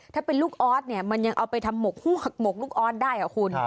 ถ้าเป็นลูกออสเนี่ยมันยังเอาไปทำหมกฮวกหมกลูกออสได้อ่ะคุณ